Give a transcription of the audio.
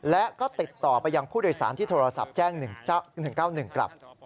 และก็ติดต่อไปยังผู้โดยสารที่โทรศัพท์แจ้ง๑๙๑กลับ